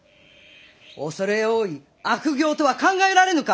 恐れ多い悪行とは考えられぬか！